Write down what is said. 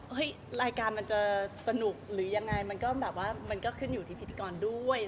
รายการมันจะสนุกหรือยังไงมันก็แบบว่ามันก็ขึ้นอยู่ที่พิธีกรด้วย